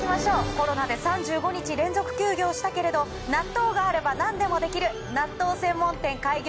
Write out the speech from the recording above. コロナで３５日連続休業したけれど納豆があれば何でもできる納豆専門店開業